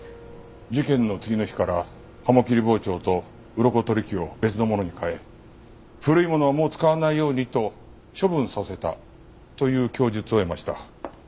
事件の次の日から鱧切り包丁とうろこ取り器を別のものに替え古いものはもう使わないようにと処分させたという供述を得ました。